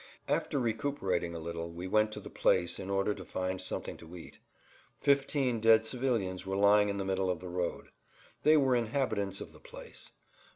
After recuperating a little we went to the place in order to find something to eat. Fifteen dead civilians were lying in the middle of the road. They were inhabitants of the place.